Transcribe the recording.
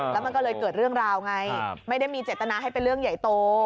แล้วมันก็เลยเกิดเรื่องราวไงไม่ได้มีเจตนาให้เป็นเรื่องใหญ่โต